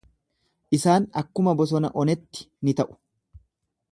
Isaan akkuma bosona onetti ni ta'u.